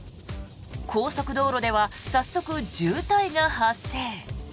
高速道路では早速、渋滞が発生。